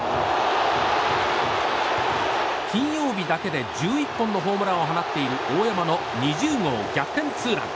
金曜日だけで１１本のホームランを放っている大山の２０号逆転ツーラン。